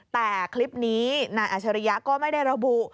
แต่คลิปนี้นายอัชริยะก็ไม่ได้ระบุ